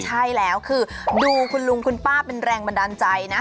ใช่แล้วคือดูคุณลุงคุณป้าเป็นแรงบันดาลใจนะ